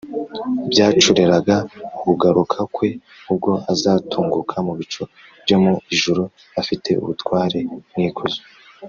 byacureraga ukugaruka kwe ubwo azatunguka mu bicu byo mu ijuru afite ubutware n’ikuzo